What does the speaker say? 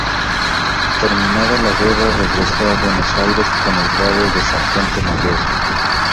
Terminada la guerra regresó a Buenos Aires con el grado de sargento mayor.